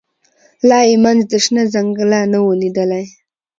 لا یې منځ د شنه ځنګله نه وو لیدلی